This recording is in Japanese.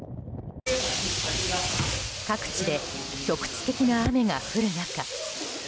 各地で局地的な雨が降る中。